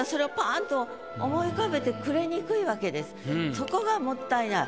そこがもったいない。